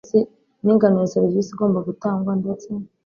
n ingano ya serivisi igomba gutangwa ndetse